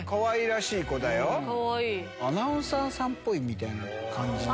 アナウンサーさんっぽいみたいな感じの。